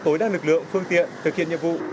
tối đa lực lượng phương tiện thực hiện nhiệm vụ